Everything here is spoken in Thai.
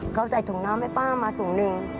เขาใส่ถุงน้ำให้ป้ามาถุงหนึ่ง